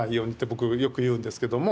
僕よく言うんですけども。